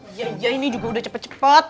iya aja ini juga udah cepet cepet